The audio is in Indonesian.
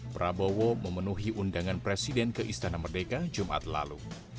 prabowo memenuhi undangan presiden ke istana merdeka jumat lalu